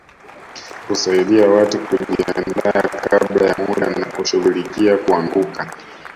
Kusaidia watu kujiandaa kabla ya muda na kushughulikia kuanguka